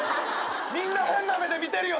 みんな変な目で見てるよ。